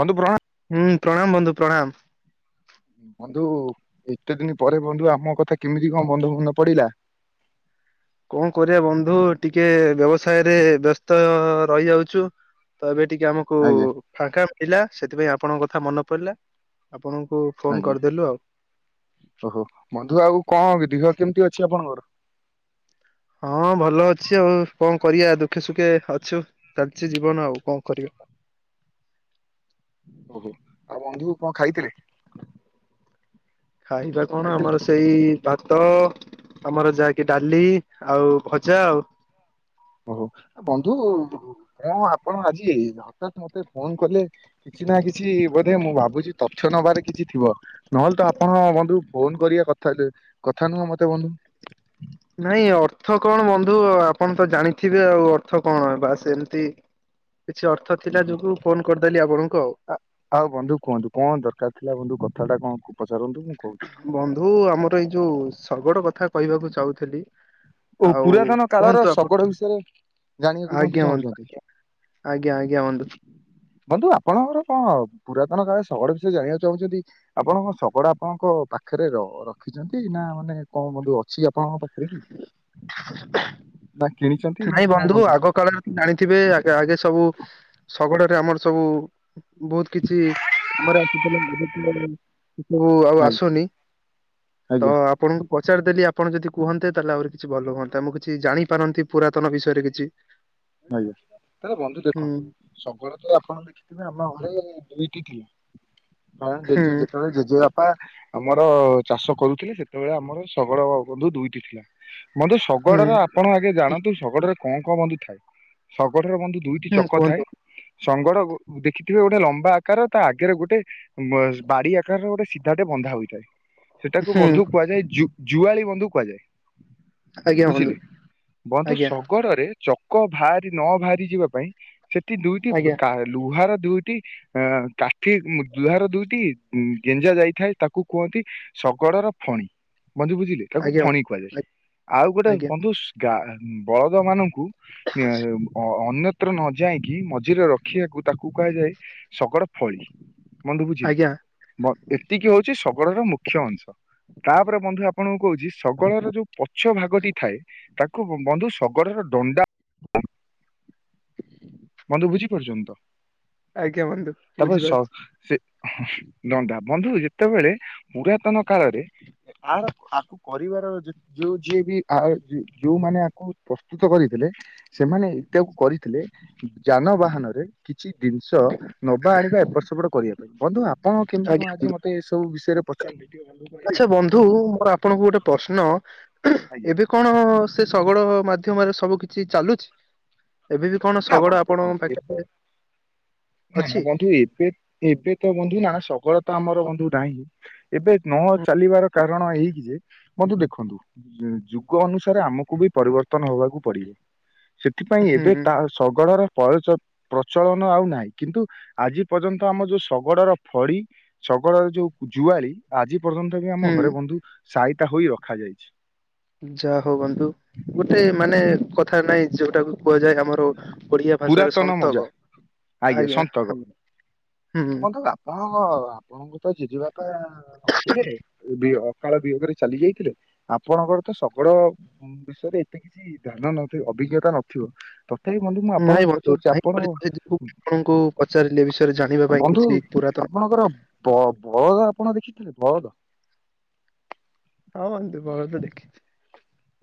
ବନ୍ଧୁ ପ୍ରଣା ହୁଁ ପ୍ରଣାମ ବନ୍ଧୁ ପ୍ରଣାମ। ବନ୍ଧୁ ଏତେ ଦିନ ପରେ ବନ୍ଧୁ ଆମ କଥା କେମିତି କଣ [unintelligible] ପଡିଲା। କଣ କରିବା ବନ୍ଧୁ ଟିକେ ବ୍ୟବସାୟରେ ବ୍ୟସ୍ତ ରହିଯାଉଛୁ। ତ ଏବେ ଟିକେ ଆମକୁ ଆଜ୍ଞା ଫାଙ୍କା ମିଳିଲା ସେଥିପାଇଁ ଆପଣଙ୍କ କଥା ମନେ ପଡିଲା ଆପଣଙ୍କୁ ଫୋନ ଆଜ୍ଞା କରିଦେଲୁ ଆଉ ଓହୋ ବନ୍ଧୁ ଆଉ କଣ ଦିହ କେମିତି ଅଛି ଆପଣଙ୍କର? ହଁ ଭଲ ଅଛି ଆଉ କଣ କରିବା ଦୁଃଖେ ସୁଖେ ଅଛୁ ଚାଲିଛି ଜୀବନ ଆଉ କଣ କରିବା। ଓକେ ଆଉ ବନ୍ଧୁ କଣ ଖାଇଥିଲେ? ଖାଇବା କଣ ଖାଇଥିଲେ ଆମର ସେଇ ଭାତ ଆମର ଯାହାକି ଡାଲି ଆଉ ଭଜା ଆଉ। ଓହୋ ବନ୍ଧୁ କଣ ଆପଣ ଆଜି ହଟାତ ମତେ ଫୋନ କଲେ କିଛି ନା କିଛି ବୋଧେ ମୁଁ ଭାବୁଛି ତଥ୍ୟ ନବାରେ କିଛି ଥିବ? ନହେଲେ ତ ଆପଣ ବନ୍ଧୁ ଫୋନ କରିବା କଥା ହେଲେ କଥା ନୁହଁ ମତେ ବନ୍ଧୁ। ନାଇଁ ଅର୍ଥ କଣ ବନ୍ଧୁ ଆପଣ ତ ଜାଣିଥିବେ ଆଉ ଅର୍ଥ କଣ ବାସ୍ ଏମିତି। କିଛି ଅର୍ଥ ଥିଲା ଓହୋ ଯୋଗୁ ଫୋନ କରିଦେଲି ଆପଣଙ୍କୁ ଆଉ। ଆଉ ବନ୍ଧୁ କୁହନ୍ତୁ କଣ ଦରକାର ଥିଲା ବନ୍ଧୁ କଥାଟା କଣ ପଚାରନ୍ତୁ ମୁଁ କହୁଛି। ବନ୍ଧୁ ଆମର ଏଇ ଯୋଉ ଶଗଡ କଥା କହିବାକୁ ଚାହୁଁ ଥିଲି। ଓ ଆଉ ପୁରାତନ କାଳର କୁହନ୍ତୁ ଆପଣ ଶଗଡ ବିଷୟରେ ଜାଣିବାକୁ ଆଜ୍ଞା ବନ୍ଧୁ ଚାହୁଁଛନ୍ତି। ହଁ ଆଜ୍ଞା ବନ୍ଧୁ। ଆଜ୍ଞା ଆଜ୍ଞା ବନ୍ଧୁ। ବନ୍ଧୁ ଆପଣଙ୍କର କଣ ପୁରାତନ କାଳ ଶଗଡ ବିଷୟ ଜାଣିବାକୁ ଚାହୁଁଛନ୍ତି। ଆପଣଙ୍କଣ ଶଗଡ ଆପଣଙ୍କ ପାଖରେ ରଖିଛନ୍ତି ନା ମାନେ କଣ ବନ୍ଧୁ ଅଛି ଆପଣଙ୍କ ପାଖରେ କି। [inaudible] ନା କିଣିଛନ୍ତି। ନା ନାଇଁ କଣ ବନ୍ଧୁ ଆଗ କାଳରେ ତ ଜାଣିଥିବେ ଆଗେ ସବୁ ଶଗଡରେ ଆମର ସବୁ। ବହୁତ କିଛି କାମରେ [unintelligible] ସବୁ ଆଉ ଆଜ୍ଞା ଆସୁନି। ତ ଆଜ୍ଞା। ଆପଣଙ୍କୁ ପଚାରଦେଲି ଆପଣ ଯଦି କୁହନ୍ତେ ତାହେଲେ ଆହୁରି କିଛି ଭଲ ହୁଅନ୍ତା ମୁଁ କିଛି ଜାଣିପାରନ୍ତି। ପୁରାତନ ବିଷୟରେ କିଛି। ଆଜ୍ଞା ତାହେଲେ ବନ୍ଧୁ ହୁଁ ଦେଖ। ଶଗଡ ତ ଆପଣ ଦେଖିଥିବେ ଆମ ଘରେ ଦୁଇଟି କାରଣ ହୁଁ ଜେଜେ ଯେତେବେଳେ। ଜେଜେ ବାପା ଆମର ଚାଷ କରୁଥିଲେ ସେତେବେଳେ ଆମର ଶଗଡ ବନ୍ଧୁ ଦୁଇଟି ଥିଲେ। ବନ୍ଧୁ ହୁଁ ଶଗଡ଼ରେ ଆପଣ ଆଗେ ଜାଣନ୍ତୁ ଶଗଡରେ କଣ କଣ ବନ୍ଧୁ ଥାଏ। ଶଗଡ ରେ ବନ୍ଧୁ ଦୁଇଟି ହୁଁ ଚକ କୁହନ୍ତୁ ଥାଏ। ଶଗଡ କୁ ଦେଖିଥିବେ ଗୋଟେ ଲମ୍ବା ଆକାର ତା ଆଗରେ ଗୋଟେ। ବାଡ଼ି ଆକାର ଗୋଟେ ସିଧା ଟେ ବନ୍ଧା ହୋଇଥାଏ। ସେଟା କୁ ହୁଁ ବନ୍ଧୁ କୁହାଯାଏ ଜୁଆଳି ବନ୍ଧୁ କୁହାଯାଏ। ଆଜ୍ଞା ବନ୍ଧୁ ବୁଝିଲେ ବନ୍ଧୁ ଆଜ୍ଞା ଶଗର ରେ। ଚକ ବାହାରି ନ ବାହାରି ଯିବା ପାଇଁ ସେଠି ଦୁଇଟି ଆଜ୍ଞା ଲୁହାର ଦୁଇଟି କାଠି ଦୁହାର ଦୁଇଟି ଗେଞ୍ଜା ଯାଇଥାଏ ତାକୁ କୁହନ୍ତି। ଶଗଡର ଫଣୀ ବନ୍ଧୁ ବୁଝିଲେ। ତାକୁ ଆଜ୍ଞା ଫଣି ଆଜ୍ଞା କୁହାଯାଏ ଆଉ ଗୋଟେ ଆଜ୍ଞା ବନ୍ଧୁ ଗା ବଳଦ ମାନଙ୍କୁ। ଅନ୍ୟତ୍ର ନ ଯାଇକି ମଝିରେ ରଖିବାକୁ ତାକୁ କୁହାଯାଏ ଶଗଡ। ଫଳି ବନ୍ଧୁ ବୁଝିଲି ଆଜ୍ଞା ଏତିକି ହୋଉଛି ଶଗଡ ର ମୁଖ୍ୟ ଅଂଶ। ତାପରେ ବନ୍ଧୁ ଆପଣଙ୍କୁ କହୁଛି ଶଗଡର ଯୋଉ ପଛ ଭାଗଟି ଥାଏ। ତାକୁ ବନ୍ଧୁ ଶଗଡର ଦଣ୍ଡା। ବନ୍ଧୁ ବୁଝି ପାରିଛନ୍ତିତ ଆଜ୍ଞା ବନ୍ଧୁ ତାପରେ ବୁଝିପାରୁଛି। ଶଗଡ ଦଣ୍ଡା ବନ୍ଧୁ ଯେତେବେଳେ ପୁରାତନ କାଳରେ ଆର କରିବାର ଯୋଉ ଯିଏବି ଯୋଉମାନେ ଆକୁ ପ୍ରସ୍ତୁତ କରିଥିଲେ। ସେମାନେ ଏଟାକୁ କରିଥିଲେ। ଯାନ ବାହାନରେ କିଛି ଜିନିଷ ନବା ଆଣିବା ଏପଟ ସେପଟ କରିବା ପାଇଁ ବନ୍ଧୁ। ହଁ କେମିତି କଁ ଆଜ୍ଞା ବନ୍ଧୁ ଆଜି ମତେ ଏ ସବୁ ବିଷୟରେ ପଚାରିଲେ ଟିକେ କୁହନ୍ତୁ ତ। ଆଚ୍ଛା ବନ୍ଧୁ ମୋର ଆପଣଙ୍କୁ ଗୋଟେ ପ୍ରଶ୍ନ ଆଜ୍ଞା ଏବେ କଣ ସେ ଶଗଡ ମାଧ୍ୟମରେ ସବୁ କିଛି ଚାଲୁଛି ଏବେ ବି କଣ ନା ଶଗଡ଼ ବନ୍ଧୁ ଆପଣଙ୍କ ଦେଖନ୍ତୁ ଏବେ ପାଖରେ ନା ଅଛି? ନା ବନ୍ଧୁ ଏବେ। ଏବେ ତ ବନ୍ଧୁ ନା ଶଗଡ ତ ଆମର ବନ୍ଧୁ ନାହିଁ। ଏବେ ନ ଚାଲିବାର କାରଣ ଏହିକି ଯେ। ବନ୍ଧୁ ଦେଖନ୍ତୁ ଯୁଗ ଅନୁସାରେ ଆମକୁ ବି ପରିବର୍ତ୍ତନ ହବାକୁବି ପଡିବ। ସେଥିପାଇଁ ହୁଁ ଏବେ ହୁଁ ତା ଶଗଡର ପଳଚ। ପ୍ରଚଳନ ଆଉ ନାହିଁ କିନ୍ତୁ ଆଜି ପର୍ଯ୍ୟନ୍ତ ଆମ ଯୋଉ ଶଗଡର ଫଡି ଶଗଡର ଯୋଉ ଜୁଆଳି ଆଜି ପର୍ଯ୍ୟନ୍ତ ବି ଆମ ଘରେ ହୁଁ। ବନ୍ଧୁ ସାଇତା ହୋଇ ରଖାଯାଇଛି। ଯାହା ହଉ ବନ୍ଧୁ ଗୋଟେ ମାନେ କଥା ନାଇଁ ଯୋଉଟାକୁ କୁହାଯାଏ ଆମର ଓଡିଆ ଭାଷାରେ ପୁରାତନ ମଜା ସନ୍ତକ ଆଜ୍ଞା ହୁଁ ହୁଁ। ହଁ ହଁ ଆପଣଙ୍କୁ ତ ଯିଜି ବାପା ନ ଥିଲେ ବି ଅକାଳ ବିୟୋଗରେ ଚାଲି ଯାଇଥିଲେ ଆପଣଙ୍କର ତ ଶଗଡ ବିଷୟରେ ଏତେ କିଛି ଧ୍ୟାନ ନଥି ଅଭିଜ୍ଞତା ନଥିବ ତଥାପି ମୁଁ ମୁଁ ନାଇଁ ଆପଣଙ୍କୁ ବନ୍ଧୁ ପଚାରୁଛି ନାଇଁ ଆପଣ ବୋଲି ତ ସେ ଯୋଗୁ ଆପଣଙ୍କୁ ପଚାରିଲି ଏ ବିଷୟରେ ଜାଣିବା ପାଇଁ ବନ୍ଧୁ କିଛି ପୁରାତନ ଆପଣଙ୍କର ବ ବଳଦ ଆପଣ ଦେଖିଥିଲେ ବଳଦ। ହଁ ବନ୍ଧୁ ବଳଦ ଦେଖିଚି।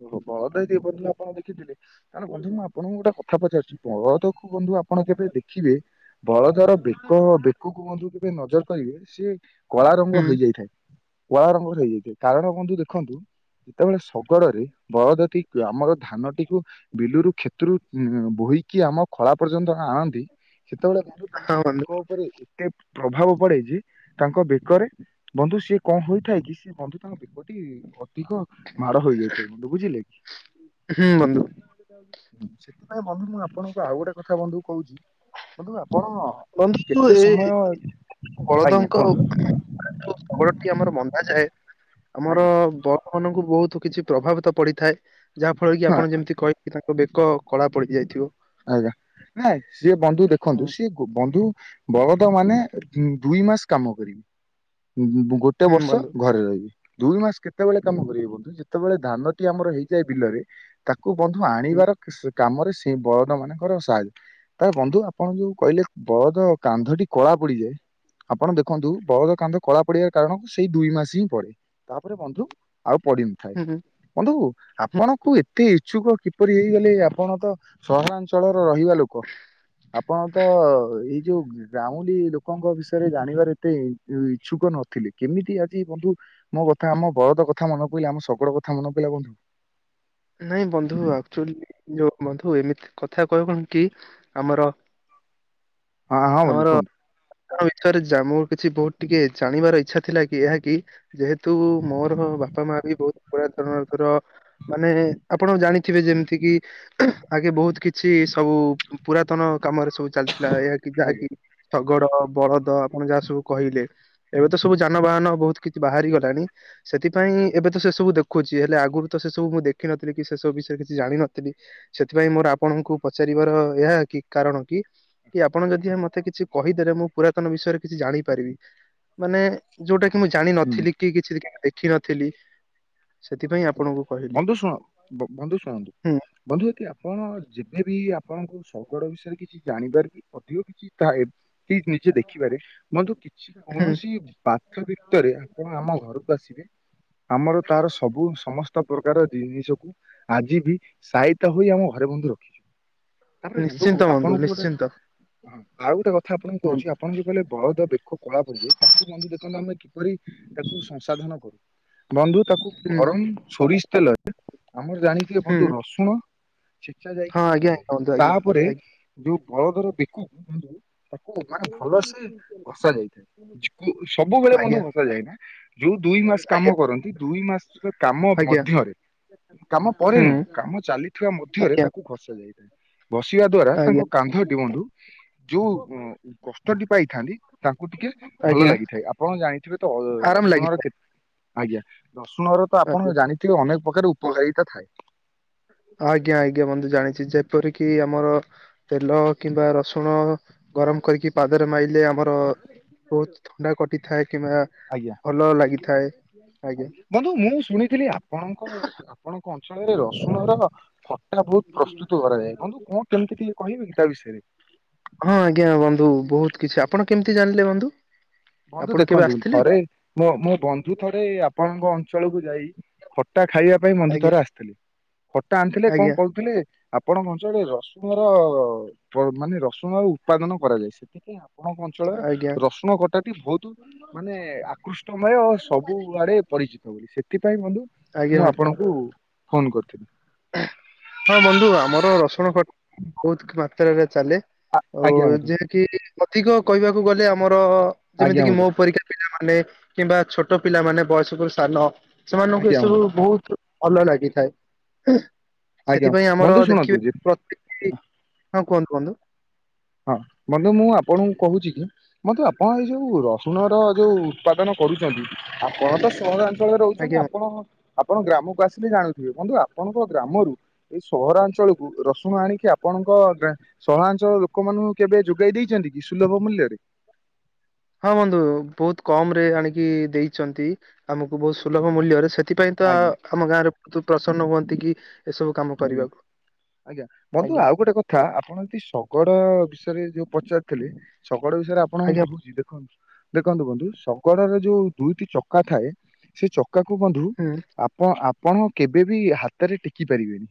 ଓହୋ ବଳଦ ଦି ବନ୍ଧୁ ଆପଣ ଦେଖିଥିଲେ ତାହେଲେ ବନ୍ଧୁ ମୁଁ ଆ ଆପଣଙ୍କୁ ଗୋଟେ କଥା ପଚାରୁଛି ବଳଦ କୁ ଆପଣ ବନ୍ଧୁ ଆପଣ କେବେ ଦେଖିଲେ ବଳଦ ବେକ ବେକ କୁ ବନ୍ଧୁ କେବେ ନଜର କରିବେ ସିଏ କଳା ହୁଁ ରଙ୍ଗର ହେଇଯାଇଥାଏ କଳା ରଙ୍ଗର ହେଇଯାଇଥାଏ କାରଣ ବନ୍ଧୁ ଦେଖନ୍ତୁ ଯେତେବେଳେ କଡ଼ରେ ବଳଦତି ଆମର ଧାନଟିକୁ ବିଲୁରୁ କ୍ଷେତରୁ ଉଁ ବୋହିକି ଆମ ଖଳା ପର୍ଯ୍ୟନ୍ତ ଆଣନ୍ତି ସେତେବେଳେ ହଁ ତାଙ୍କ ବନ୍ଧୁ ବେକ ଉପରେ ଏତେ ପ୍ରଭାବ ପଡେ ଯେ ତାଙ୍କ ବେକରେ ବନ୍ଧୁ ସିଏ କଣ ହୋଇଥାଏ କି ସେ ବନ୍ଧୁ ତାଙ୍କ ବେ ଗୋଟି ଅଧିକ ମାଡ଼ ହେଇଯାଇଥାଏ ବନ୍ଧୁ ବୁଝିଲେ କି। ହୁଁ ବନ୍ଧୁ ସେଥିପାଇଁ ବନ୍ଧୁ ମୁଁ ଆପଣଙ୍କୁ ଆଉ ଗୋଟେ କଥା ବନ୍ଧୁ କହୁଛି ବନ୍ଧୁ ଆପଣ ବନ୍ଧୁ କେତେ ଏ ସମୟ ଆଜ୍ଞା ବଳଦଙ୍କ କୁହନ୍ତୁ। ଯୋଉ ସ୍ବଳ ଆମର ବନ୍ଧା ଯାଏ ଆମର ଆଜ୍ଞା ବ ଆପଣଙ୍କୁ ବହୁତ କିଛି ପ୍ରଭାବିତ ପଡିଥାଏ ଯାହା ଫଳରେ କି ହଁ ଆପଣ ଯେମିତି କହ କି ତାଙ୍କ ବେକ କଳା ପଡି ଯାଇଥିବ। ଆଜ୍ଞା ନାଇଁ ସିଏ ବନ୍ଧୁ ଦେଖନ୍ତୁ ହୁଁ ସିଏ ବନ୍ଧୁ। ବଳଦ ମାନେ ଦୁଇ ମାସ କାମ କରିବେ ଗୋଟେ ହୁଁ ବର୍ଷ ବନ୍ଧୁ ଘରେ ରହିବେ। ଦୁଇ ମାସ କେତେବେଳେ କାମ କରିବେ ବନ୍ଧୁ ଯେତେବେଳେ ଧାନଟି ଆମର ହେଇଯାଏ ବିଲରେ। ତାକୁ ବନ୍ଧୁ ହୁଁ ଆଣିବାର କାମରେ ସେ ବ ଦ ମାନଙ୍କର ସାହାଯ୍ୟ ତାଲେ ବନ୍ଧୁ ଆପଣ ଯୋଉ କହିଲେ ବଳଦ କାନ୍ଧଟି କଳା ପଡିଯାଏ। ଆପଣ ଦେଖନ୍ତୁ ବଳଦ କାନ୍ଧ କଳା ପଡିବାର କାରଣକୁ ସେଇ ଦୁଇ ମାସ ହିଁ ପଡେ। ତାପରେ ବନ୍ଧୁ ଆଉ ପଡିିନି। ଥା ହୁଁ ହୁଁ ବନ୍ଧୁ ଆପଣଙ୍କୁ ଏତେ ଇଚ୍ଛୁକ କିପରି ହେଇଗଲେ ଆପଣ ତ ସହରା ଞ୍ଚଳର ରହିବା ଲୋକ ଆପଣ ତ ଏଇ ଯୋଉ ଗ୍ରା କ ଲୋକଙ୍କ ବିଷୟରେ ଜାଣିବାର ଏତେ ଉଚ୍ଚୁକ ନଥିଲେ କେମିତି ଆଜି ବନ୍ଧୁ ମୋ କଥା ଆମ ବଳଦ କଥା ମନେ ପଇିଲା ଆମ ଶଗଡ଼ କଥା ମନେ ପଇଲା ବନ୍ଧୁ। ନାଇଁ ବନ୍ଧୁ ଆକ୍ଟୁଲି ବନ୍ଧୁ ଏମିତି କଥା କହ କଣ କି ଆମର ହଁ ହଁ ବନ୍ଧୁ କୁହନ୍ତୁ। ୟା ବିଷୟ ରେ ମୁଁ କିଛି ବହୁତ ଟିକେ ଜାଣିବାର ଇଚ୍ଛା ଥିଲା କି ଏହା କି ଯେହେତୁ ମୋର ବାପା ମା ବି ବହୁତ ପୁରାତନ ଧର ମାନେ ଆପଣ ଜାଣିଥିବେ ଯେମିତି କିି ଆଗେ ବହୁତ କିଛି ସବୁ ପୁରାତନ କାମରେ ସବୁ ଚାଲିଥିଲା ଏହା କି ଯାହାକି ଆଜ୍ଞା। ଶଗଡ ବଳଦ ଆପଣ ଯାହା ସବୁ କହିଲେ। ଏବେ ତ ସବୁ ଆଜ୍ଞା ଯାନବାହାନ ବହୁତ କିଛି ବାହାରି ଗଲାଣି। ସେଥିପାଇଁ ଏବେ ତ ସେ ସବୁ ଦେଖୁଛି ହେଲେ ଆଗରୁ ତ ସେ ସବୁ ମୁଁ ଦେଖିନଥିଲି କି ସେ ସବୁ ବିଷୟରେ କିଛି ଜାଣିନଥିଲି। ସେଥିପାଇଁ ଆଜ୍ଞା। ମୋର ଆ ଆପଣଙ୍କୁ ପଚାରିବାର ଏହା କି କାରଣ କି କି ଆପଣ ଯଦି ମତେ କିଛି କହିଦେଲେ ମୁଁ ପୁରାତନ ବିଷୟରେ କିଛି ଜାଣିପାରିବି ମାନେ ଯୋଉଟା କି ମୁଁ ହୁଁ ଜାଣିନଥିଲି କି କି କିଛି ଦେଖିନଥିଲି ସେଥିପାଇଁ ଆଜ୍ଞା ଆପଣଙ୍କୁ କହିଲି। ବନ୍ଧୁ ଶୁଣ ବନ୍ଧୁ ଶୁଣନ୍ତୁ। ହୁଁ ବନ୍ଧୁଦି ଆପଣ ଯେବେ ବିି ଆପଣଙ୍କୁ ଶଗଡ଼ ବିଷୟରେ କିଛି ଜାଣିପାରିବେ ଅଧିକ କିଛି ଥାଏ କି ନିଜେ ଦେଖିପାରେ ବଧୁ କିଛି ହୁଁ କୌଣସି ବାଥ ଭିତରେ ଆପଣ ଆମ ଘରକୁ ଆସିବେ ଆମର ତାର ସବୁ ସମସ୍ତ ପ୍ରକାର ଜିନିଷକୁ ଆଜି ବି ସାଇତା ହୋଇ ଆମ ଘରେ ବନ୍ଧୁ ରଖିବ। ତାପରେ ବନ୍ଧୁ ନିଶ୍ଚିନ୍ତ ଆପଣଙ୍କୁ ଗୋଟେ ନିଶ୍ଚିନ୍ତ ହଁ ଆଉ ଗୋଟେ କଥା ଆପଣଙ୍କୁ ବନ୍ଧୁ କହୁଛି ଆପଣ ଯଉ କହିଲେ ବଳଦ ବେଖ କଳା ପଡିଯାଏ ତାକୁ ବନ୍ଧୁ ଦେଖନ୍ତୁ ଆମ କରି ତାକୁ ସଂସାଧନ କରୁ ବନ୍ଧୁ ତାକୁ ହୁଁ ଗରମ ହୁଁ ସୋରିଷ ତେଲରେ ଆମର ଜାଣିଥିବେ ବନ୍ଧୁ ହଁ ରସୁଣ ଛେଚା ଯାଇକି ଆଜ୍ଞା ପକାଯାଏ ଆଜ୍ଞା ବନ୍ଧୁ ଆଜ୍ଞା। ତାପରେ ଯୋଉ ବଳଦର ବେକକୁ କୁଅନ୍ତୁ ତାକୁ ମାନେ ଭଲସେ ଘସା ଯାଇଥାଏ। ସବୁବେଳେ ବନ୍ଧୁ ଆଜ୍ଞା ଭସା ଯାଏନା ଯୋଉ ଦୁଇ ମାସ ଆଜ୍ଞା କାମ କରନ୍ତି ଦୁଇ ମାସ କାମ ଆଜ୍ଞା ଆଜ୍ଞା ମଧ୍ୟରେ କାମ ପରେ ନୁହଁ ହୁଁ କାମ ଚାଲିଥିବା ମଧ୍ୟରେ ଆଜ୍ଞା ତାକୁ ଭସା ଯାଇଥାଏ ଭସିବା ଦ୍ଵାରା ତାଙ୍କ ଆଜ୍ଞା କାନ୍ଧ ଟି ବନ୍ଧୁ ଯୋଉ କଷ୍ଟଟି ପାଇଥାନ୍ତି ତାଙ୍କୁ ଟିକେ ଭଲ ଆଜ୍ଞା ଲାଗିଥାଏ ଆପଣ ଜାଣିଥିବେ ତ ଅ ଆରାମ ରସୁଣର ଲାଗିଥାଏ କେତେ ଆଜ୍ଞା ରସୁଣର ତ ଆଜ୍ଞା ଆପଣ ଜାଣିଥିବେ ଅନେକ ପ୍ରକାର ଉପଘାରିତା ଥାଏ। ଆଜ୍ଞା ଆଜ୍ଞା ବନ୍ଧୁ ଜାଣିଛି ଯେପରିକି ଆମର ତେଲ କିମ୍ବା ରସୁଣ ଗରମ କରିକି ପାଦରେ ମାଇଲେ ଆମର ବହୁତ ଥଣ୍ଡା କଟିଥାଏ କିମ୍ବା ଆଜ୍ଞା। ଭଲ ଲାଗିଥାଏ। ଆଜ୍ଞା। ବନ୍ଧୁ ମୁଁ ଶୁଣିଥିଲି ଆପଣଙ୍କ ଆପଣଙ୍କ ଅଞ୍ଚଳରେ ରସୁଣ ର ସେଇଟା ବହୁତ ପ୍ରସ୍ତୁତ କରାଯାଏ ବନ୍ଧୁ କଣ କେମିତି ଟିକେ କହିବେ ତା ବିଷୟରେ। ହଁ ଆଜ୍ଞା ବନ୍ଧୁ ବହୁତ କିଛି ଆପଣ କେମିତି ଜାଣିଲେ ବନ୍ଧୁ? ବନ୍ଧୁ ଆପଣ କେବେ ଦେଖନ୍ତୁ ଆସିଥିଲେ? ଥରେ ମୋ ମୋ ବନ୍ଧୁ ଥରେ ଆପଣଙ୍କ ଅଞ୍ଚଳକୁ ଯାଇ ଖଟା ଖାଇବା ପାଇଁ ମନ୍ଧୁ କି? ଥର ଆସିଥିଲେ ଖଟା ଆଣିଥିଲେ କଣ ଆଜ୍ଞା କହୁଥିଲେ? ଆପଣ କଛନ୍ତିଟେ ରସୁଣ ର ମାନେ ରସୁଣର ଉତ୍ପାଦନ କରାଯାଏ ସେଥିପାଇଁ ଆପଣ କ ଅଚଳର ଆଜ୍ଞା ଆଜ୍ଞା ରସୁଣ କଟାଟି ବହୁତ ମାନେ ଆକୃଷ୍ଟମୟ ସବୁ ଆଡେ ପରିଚିତ ବୋଲି ସେଥିପାଇଁ ବନ୍ଧୁ ଆଜ୍ଞା ମୁଁ ବନ୍ଧୁ ଆପଣଙ୍କୁ ଫୋନ କରିଥିଲି। ହଁ ବନ୍ଧୁ ଆମର ରସୁଣ କଟ ବହୁତ ମାତ୍ରାରେ ଚାଲେ। ଆ- ଆଉ ଆଜ୍ଞା ବନ୍ଧୁ ଯେ କିି ଅଧିକ କହିବାକୁ ଗଲେ ଆମର ଆଜ୍ଞା ଯେମିତି କିି ବନ୍ଧୁ ମୋ ପରୀ ପିଲାମାନେ କିମ୍ବା ଛୋଟ ପିଲାମାନେ ବୟସକରୁ ସାନ ସେମାନଙ୍କୁ ଆଜ୍ଞା ଏସବୁ ବନ୍ଧୁ ବହୁତ ଅଲ ଲାଗିଥାଏ। ଆଜ୍ଞା ସେଥିପାଇଁ ଆମର ବନ୍ଧୁ ଶୁଣନ୍ତୁ ଯେ ଦେଖିବେ ହ କୁହନ୍ତୁ କୁହନ୍ତୁ। ହଁ ବନ୍ଧୁ ମୁଁ ଆପଣଙ୍କୁ କହୁଛି କି ମତେ ଆପଣ ଏଇ ଯୋଉ ରସୁଣ ର ଯୋଉ ଉତ୍ପାଦନ କରୁଛନ୍ତି ଆପଣ ତ ସହରା ରହୁଛନ୍ତି ଆଜ୍ଞା ଆପଣ ଆପଣ ଗ୍ରାମକୁ ଆସିଲେ ଜାଣୁଥିବେ ବଧୁ ଆପଣଙ୍କ ଗ୍ରାମରୁ ଏଇ ସହରାଞ୍ଚଳକୁ ରସୁଣ ଆଣିକି ଆପଣଙ୍କ ସହରାଞ୍ଚଳ ଲୋକମାନଙ୍କୁ କେବେ ଯୋଗାଇ ଦେଇଛନ୍ତି କି ସୁଲଭ ମୂଲ୍ୟରେ। ହଁ ବନ୍ଧୁ ବହୁତ କମ ରେ ଆଣିକି ଦେଇଛନ୍ତି ଆମକୁ ବହୁତ ସୁଲଭ ମୂଲ୍ୟରେ ସେ ସେଥିପାଇଁ ତ ଆଜ୍ଞା ଆମ ଗାଁ ରେ ବହୁତ ପ୍ରସନ୍ନ ହୁଅନ୍ତି କି ଏସବୁ କାମ ଆଜ୍ଞା କରିବାକୁ ଆଜ୍ଞା ବନ୍ଧୁ ଆଜ୍ଞା ଆଉ ଗୋଟେ କଥା କଥା ଆପଣ ଯଦି ଶଗଡ଼ ବିଷୟରେ ଯୋଉ ପଚାରୁଥିଲେ ଶଗଡ଼ ବିଷୟରେ ଆପଣଙ୍କୁ ଆଜ୍ଞା କହୁଛି ଦେଖନ୍ତୁ ଦେଖନ୍ତୁ ବନ୍ଧୁ ଶଗଡ଼ରେ ଯୋଉ ଦୁଇଟି ଚକା ଥାଏ ସେ ଚକାକୁୁ ବନ୍ଧୁ ହୁଁ ଆପ୍ ପ ଆପଣ କେବେ ବି ହାତରେ ଟେକି ପାରିବେନି।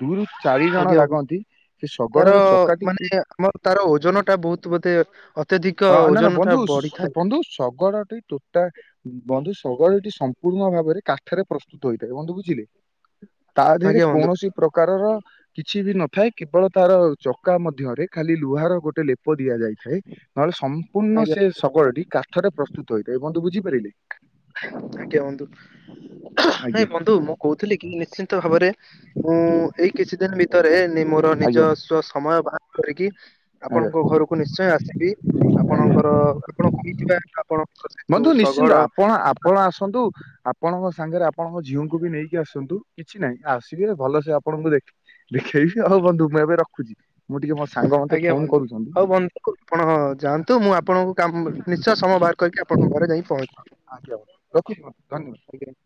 ଦୁଇରୁ ଚାରି ଜଣ ଆଜ୍ଞା ବନ୍ଧୁ। ଲାଗନ୍ତି ସେ ତାର ଶଗଡ଼ର ଚକାଟିକି ମାନେ ଆମ ତାର ଓଜନ ଟା ବହୁତ ବୋଧେ ଅତ୍ୟଧିକ ଅ ନା ନା ଓଜନ ଟା ବନ୍ଧୁ ଶ୍ ବଢିଥାଏ ବନ୍ଧୁ ଶଗଡ଼ ଟେ ଟୋ ବନ୍ଧୁ ଶଗଡ଼ଟି ସମ୍ପୂର୍ଣ୍ଣ ଭାବରେ କାଠରେ ପ୍ରସ୍ତୁତ ହୋଇଥାଏ ବନ୍ଧୁ ବୁଝିଲେ? ତା ଦେହରେ ଆଜ୍ଞା ବନ୍ଧୁ କୌଣସି ପ୍ରକାରର କିଛି ବି ନଥାଏ କେବଳ ତାର ଚକା ମଧ୍ୟରେ ଖାଲି ଲୁହାର ଗୋଟେ ଲେପ ଦିଆଯାଇ ଥାଏ ନହେଲେ ସମ୍ପୂର୍ଣ୍ଣ ଆଜ୍ଞା ସେ ବନ୍ଧୁ, ଶଗଡ଼ଟି କାଠରେ ପ୍ରସ୍ତୁତ ହୋଇଥାଏ ବନ୍ଧୁ ବୁଝିପାରିଲେ? ଆଜ୍ଞା ବନ୍ଧୁ ହୁ ହୁ ନାଇଁ ଆଜ୍ଞା। ବନ୍ଧୁ ମୁଁ କହୁଥିଲି କି ନିଶ୍ଚିନ୍ତ ଭାବରେ ମୁଁ ଏଇ କିଛି ଦିନ ଭିତରେ ମୋର ଆଜ୍ଞା ନିଜସ୍ଵ ସମୟ ବାହାର କରିକି ଆଜ୍ଞା ଆପଣଙ୍କ ଘରକୁ ନିଶ୍ଚୟ ଆସିବି ଆଜ୍ଞା ଆପଣଙ୍କର ଆପଣ କହିଥିବା ଆପଣଙ୍କ ସେ ବନ୍ଧୁ ଯୋଉ ନିଶ୍ଚିନ୍ତ ଶଗଡ଼ ଆପଣ କିମ୍ବା- ଆପଣ ଆସନ୍ତୁ ଆପଣଙ୍କ ସାଙ୍ଗରେ ଆପଣଙ୍କ ଝିଅଙ୍କୁ ବି ନେଇକି ଆସନ୍ତୁ। କିଛି ନାହିଁ ଆସିବେ ଭଲସେ ଆପଣଙ୍କୁ ଦେଖ ଦେଖେଇବି ହଉ ବନ୍ଧୁ ମୁଁ ଏବେ ରଖୁଛି। ମୁଁ ଟିକେ ମୋ ସାଙ୍ଗ ମତେ ଆଜ୍ଞା ଫୋନ ବନ୍ଧୁ କରୁଛନ୍ତି। ହଉ ବନ୍ଧୁ ଆପଣ ଯାଆନ୍ତୁ ମୁଁ ଆପଣଙ୍କୁ କାମ ନିଶ୍ଚୟ ସମୟ ବାହାର କରିକି ଆପଣଙ୍କ ଘରେ ଯାଇ ପହଞ୍ଚିବି ଆଜ୍ଞା ବନ୍ଧୁ ରଖୁଛି ବନ୍ଧୁ ଧନ୍ୟବାଦ। ଆଜ୍ଞା।